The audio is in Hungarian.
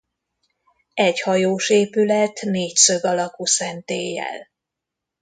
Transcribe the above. Egyhajós épület négyszög alakú szentéllyel.